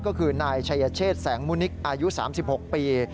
ก็คือนายชัยเชษแสงมุนิกอายุ๓๖ปี